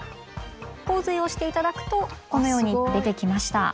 「洪水」を押していただくとこのように出てきました。